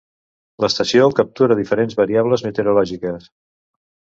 L'estació captura diferents variables meteorològiques.